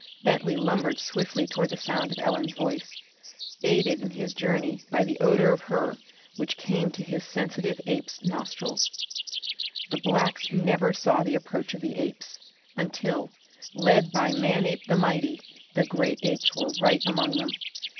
Bentley lumbered swiftly toward the sound of Ellen's voice, aided in his journey by the odor of her which came to his sensitive ape's nostrils. The blacks never saw the approach of the apes, until, led by Manape the Mighty, the great apes were right among them.